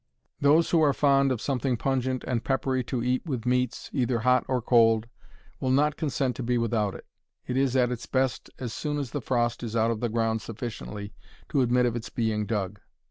Those who are fond of something pungent and peppery to eat with meats, either hot or cold, will not consent to be without it. It is at its best as soon as the frost is out of the ground sufficiently to admit of its being dug.